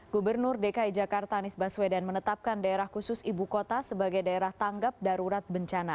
gubernur dki jakarta anies baswedan menetapkan daerah khusus ibu kota sebagai daerah tanggap darurat bencana